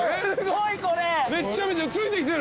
めっちゃついてきてる！